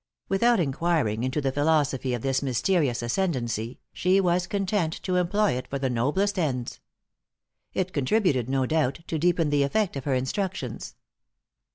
Without inquiring into the philosophy of this mysterious ascendancy, she was content to employ it for the noblest ends. It contributed, no doubt, to deepen the effect of her instructions.